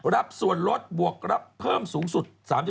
รับส่วนลดบวกรับเพิ่มสูงสุด๓๐